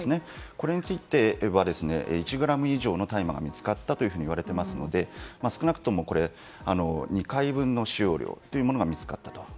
これについては１ｇ以上の大麻が見つかったというふうにいわれていますので少なくとも２回分の使用量が見つかったと。